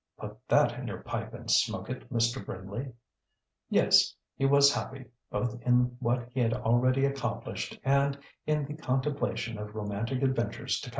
("Put that in your pipe and smoke it, Mr. Brindley!") Yes, he was happy, both in what he had already accomplished, and in the contemplation of romantic adventures to come.